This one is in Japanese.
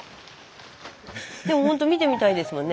でもほんと見てみたいですもんね